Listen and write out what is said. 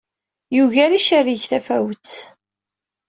Yugar icerrig tafawett.